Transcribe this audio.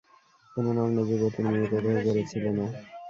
কোনো নগ্ন যুবতীর মৃতদেহ গড়ে ছিল না।